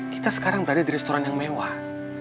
kita sekarang berada di restoran yang mewah